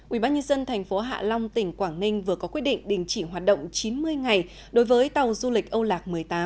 ubnd tp hạ long tỉnh quảng ninh vừa có quyết định đình chỉ hoạt động chín mươi ngày đối với tàu du lịch âu lạc một mươi tám